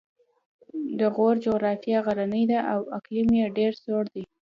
د غور جغرافیه غرنۍ ده او اقلیم یې ډېر سوړ دی